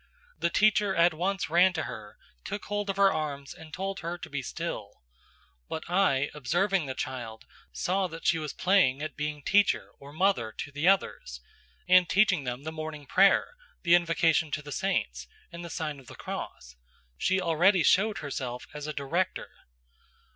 The teacher at once ran to her, took hold of her arms, and told her to be still; but I, observing the child, saw that she was playing at being teacher or mother to the others, and teaching them the morning prayer, the invocation to the saints, and the sign of the cross: she already showed herself as a director.